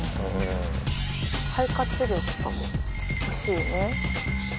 「肺活量とかも欲しいね」